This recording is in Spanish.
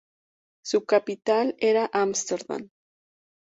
Su capital era Ámsterdam.